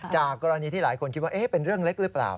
จากกรณีที่หลายคนคิดว่าเป็นเรื่องเล็กหรือเปล่า